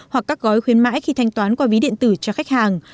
hoặc các gói khuyến mãi khi thanh toán qua ví điện tử cho khách hàng